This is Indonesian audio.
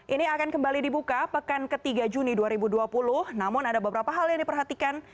ini akan kembali dibuka pekan ketiga juni dua ribu dua puluh namun ada beberapa hal yang diperhatikan